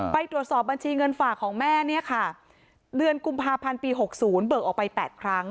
ไปตรวจสอบบัญชีเงินฝากของแม่เนี่ยค่ะเดือนกุมภาพันธ์ปี๖๐เบิกออกไป๘ครั้ง